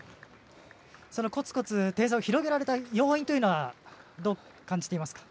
コツコツ点差を広げられた要因というのはどう感じていますか？